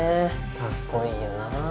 かっこいいよな。